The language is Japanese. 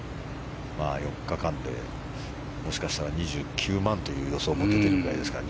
４日間で、もしかしたら２９万という予想も出てるくらいですから。